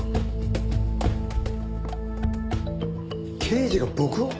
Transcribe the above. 刑事が僕を！？